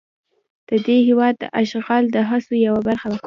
د دې هېواد د اشغال د هڅو یوه برخه وه.